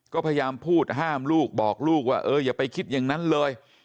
ก็พยายามพูดห้ามลูกบอกลูกว่าเอออย่าไปคิดอย่างนั้นเลย